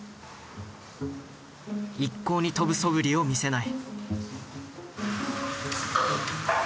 一向に飛ぶそぶりを見せない。